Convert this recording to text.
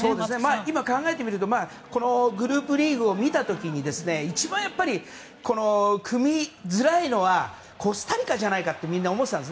今考えてみるとこのグループリーグを見た時に一番、組みづらいのはコスタリカじゃないかってみんな思ってたんです。